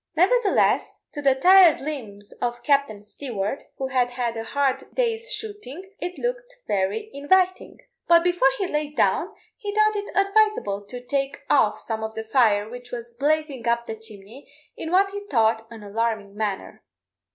Nevertheless, to the tired limbs of Captain Stewart, who had had a hard day's shooting, it looked very inviting; but before he lay down, he thought it advisable to take off some of the fire, which was blazing up the chimney in what he thought an alarming manner.